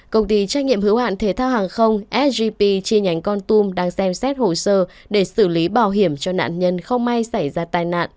công ty trách nhiệm hữu hạn thể thao hàng không sgp chi nhánh con tum đang xem xét hồ sơ để xử lý bảo hiểm cho nạn nhân không may xảy ra tai nạn